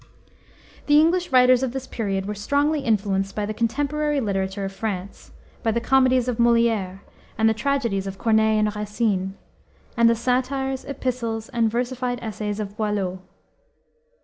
The English writers of this period were strongly influenced by the contemporary literature of France, by the comedies of Molière, the tragedies of Corneille and Racine, and the satires, epistles, and versified essays of Boileau.